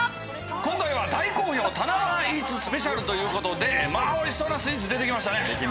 今回は大好評、タナバーイーツスペシャルということで、おいしそうなスイーツが出てきましたね。